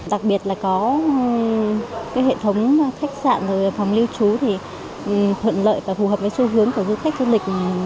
đặc biệt là có hệ thống khách sạn phòng lưu trú thì thuận lợi và phù hợp với xu hướng của du khách du lịch